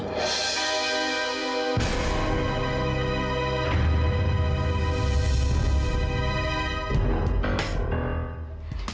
tidak akan pernah terjadi